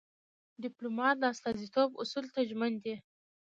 ډيپلومات د استازیتوب اصولو ته ژمن وي.